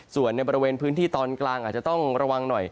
ส่วนในบริเวณพื้นที่ตอนกลางอาจจะต้องระวังหน่อย